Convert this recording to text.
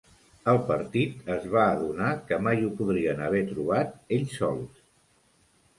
El partit es va adonar que mai ho podrien haver trobat ells sols.